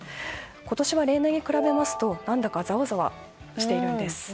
今年は、例年に比べますと何だかザワザワしているんです。